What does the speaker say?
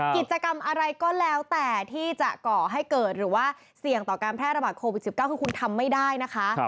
กิจกรรมอะไรก็แล้วแต่ที่จะก่อให้เกิดหรือว่าเสี่ยงต่อการแพร่ระบาดโควิด๑๙คือคุณทำไม่ได้นะคะ